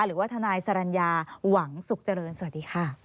หรือว่าทนายสรรญาหวังสุขเจริญสวัสดีค่ะ